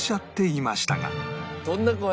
どんな声？